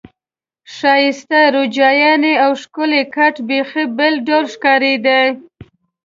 ښایسته روجایانو او ښکلي کټ بیخي بېل ډول ښکارېد.